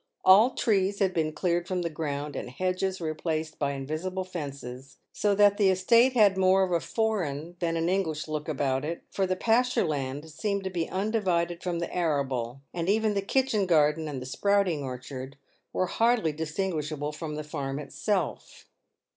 All trees had been cleared from the ground, and hedges replaced by invisible fences, so that the estate had more of a foreign than an English look about it, for the pasture land seemed to be undivided from the arable, and even the kitchen garden and the sprouting orchard were hardly distinguish able from the farm itself.